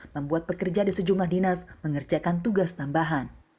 membuat pekerja di sejumlah dinas mengerjakan tugas tambahan